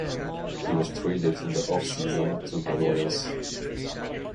He was traded in the offseason to the Royals.